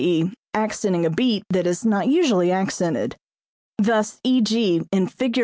e._, accenting a beat that is usually not accented. Thus e.g., in Fig.